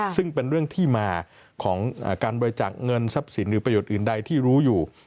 ซึ่งเป็นเรื่องที่มาของการบริจาคเงินทรัพย์สินหรือประโยชน์อื่นใดที่รู้อยู่